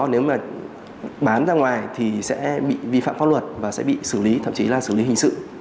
nếu mà bán ra ngoài thì sẽ bị vi phạm pháp luật và sẽ bị xử lý thậm chí là xử lý hình sự